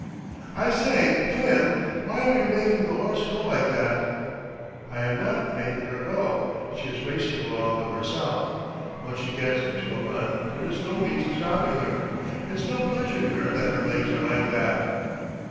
"I say, Klim, why are you making the horse go like that?" "I am not making her go. She is racing along of herself. ... Once she gets into a run there is no means of stopping her. It's no pleasure to her that her legs are like that."